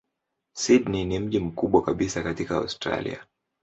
Sydney ni mji mkubwa kabisa katika Australia.